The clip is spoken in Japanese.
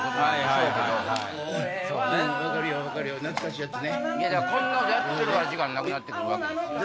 俺は俺はだからこんなことやってるから時間なくなってくるわけですよね。